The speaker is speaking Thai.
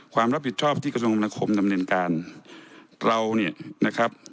ความรับผิดชอบที่กระทรวงนาคมดำเนินการเราเนี่ยนะครับ